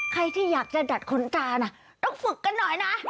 ใครที่อยากจะดัดขนตานะต้องฝึกกันหน่อยนะ